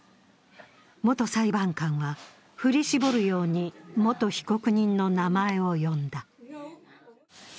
元裁判官は、振り絞るように元被告人の名前を呼んだ。